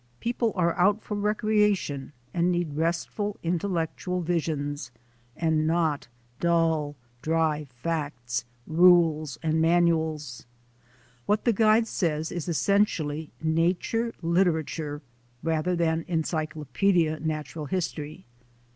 Peo ple are out for recreation and need restful, intel lectual visions, and not dull, dry facts, rules, and A DAY WITH A NATURE GUIDE 187 manuals. What the guide says is essentially na ture literature rather than encyclopedia natural history.